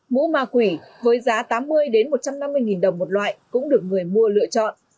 mũ ma quỷ với giá tám mươi một trăm năm mươi nghìn đồng một loại cũng được người mua lựa chọn